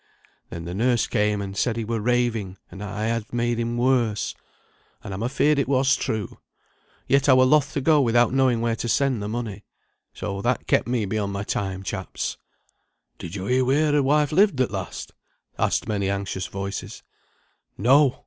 Then the nurse came, and said he were raving, and that I had made him worse. And I'm afeard it was true; yet I were loth to go without knowing where to send the money. ... So that kept me beyond my time, chaps." "Did yo hear where the wife lived at last?" asked many anxious voices. "No!